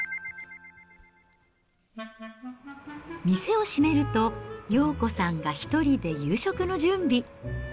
店を閉めると、洋子さんが１人で夕食の準備。